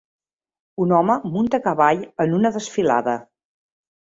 Un home munta a cavall en una desfilada.